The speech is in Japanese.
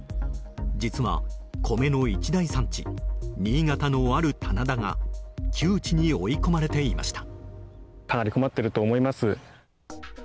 実は、米の一大産地新潟のある棚田が窮地に追い込まれていました。